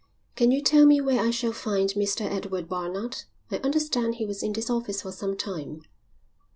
"Can you tell me where I shall find Mr Edward Barnard? I understand he was in this office for some time."